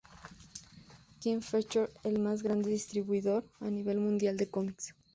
King Feature es el más grande distribuidor a nivel mundial de cómics.